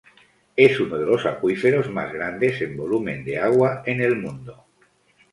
Es uno de los acuíferos más grandes en volumen de agua en el mundo.